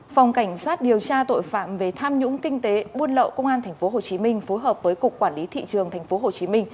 phòng cảnh sát điều tra tội phạm về tham nhũng kinh tế buôn lậu công an tp hcm phối hợp với cục quản lý thị trường tp hcm